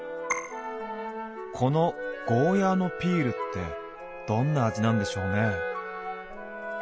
この「ゴーヤーのピール」ってどんな味なんでしょうね？